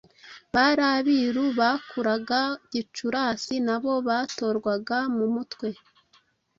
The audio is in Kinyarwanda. Bari Abiru bakuraga Gicurasi, nabo batorwaga mu mutwe